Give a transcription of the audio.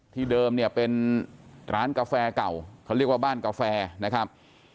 เดิมเนี่ยเป็นร้านกาแฟเก่าเขาเรียกว่าบ้านกาแฟนะครับ